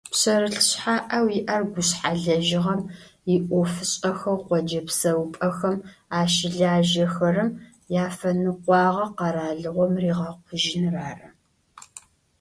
Пшъэрылъ шъхьаӏэу иӏэр гушъхьэлэжьыгъэм иӏофышӏэхэу къоджэ псэупӏэхэм ащылажьэхэрэм яфэныкъуагъэ къэралыгъом ригъэкъужьыныр ары.